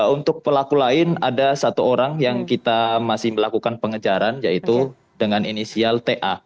untuk pelaku lain ada satu orang yang kita masih melakukan pengejaran yaitu dengan inisial ta